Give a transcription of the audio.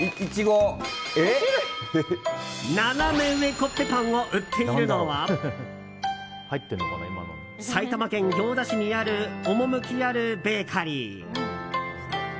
ナナメ上コッペパンを売っているのは埼玉県行田市にある趣あるベーカリー。